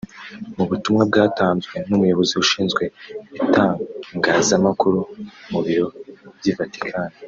Mu butumwa bwatanzwe n’umuyobozi ushinzwe itangazamakuru mu biro by’i Vatican